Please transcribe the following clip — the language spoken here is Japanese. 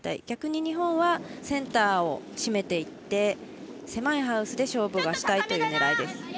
逆に日本はセンターを占めていき狭いハウスで勝負がしたいという狙いです。